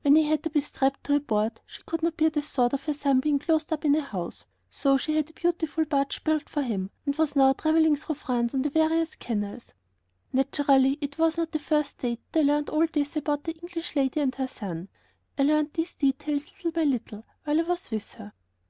When he had to be strapped to a board, she could not bear the thought of her son being closed up in a house, so she had a beautiful barge built for him, and was now traveling through France on the various canals. Naturally, it was not the first day that I learned all this about the English lady and her son. I learned these details little by little, while I was with her.